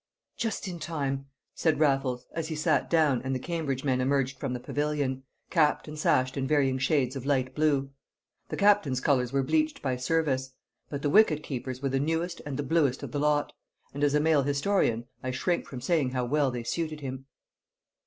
"Just in time," said Raffles, as he sat down and the Cambridge men emerged from the pavilion, capped and sashed in varying shades of light blue. The captain's colours were bleached by service; but the wicket keeper's were the newest and the bluest of the lot, and as a male historian I shrink from saying how well they suited him.